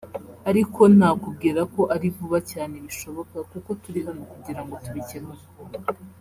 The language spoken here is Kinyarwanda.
ariko nakubwira ko ari vuba cyane bishoboka kuko turi hano kugira ngo tubikemure